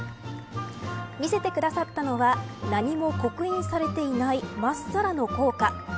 見せてくださったのは何も刻印されていないまっさらな硬貨。